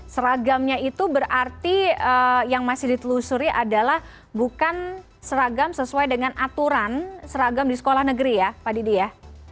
seragamnya itu berarti yang masih ditelusuri adalah bukan seragam sesuai dengan aturan seragam di sekolah negeri ya pak didi ya